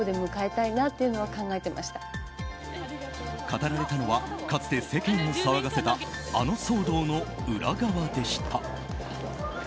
語られたのはかつて世間を騒がせたあの騒動の裏側でした。